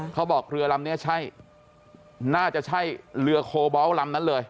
เรือลำนี้ใช่น่าจะใช่เรือโคบอลลำนั้นเลย